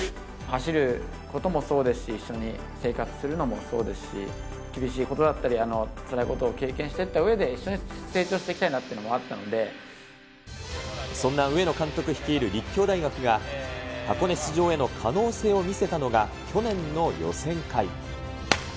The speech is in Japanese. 走ることもそうですし、一緒に生活するのもそうですし、厳しいことだったり、つらいことを経験していったうえで一緒に成長していきたいなといそんな上野監督率いる立教大学が、箱根出場への可能性を見せたのが去年の予選会。